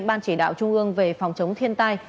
ban chỉ đạo trung ương về phòng chống thiên tai